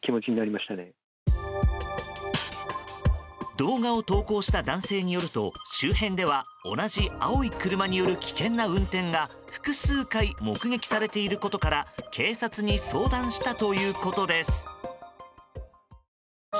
動画を投稿した男性によると周辺では同じ青い車による危険な運転が複数回目撃されていることから警察に相談したということです。